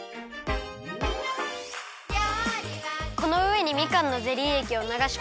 このうえにみかんのゼリーえきをながしこむんだよね？